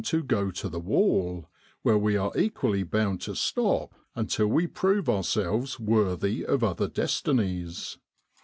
to go to the wall, where we are equally bound to stop until we prove ourselves worthy of other destinies.